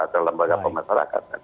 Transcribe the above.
atau lembaga pemasarakatan